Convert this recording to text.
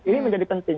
ini menjadi penting